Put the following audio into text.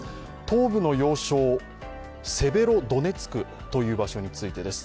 東部の要衝、セベロドネツクという場所についてです。